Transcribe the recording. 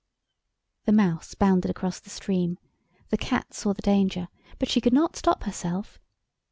The Mouse bounded across the stream—the Cat saw the danger, but she could not stop herself.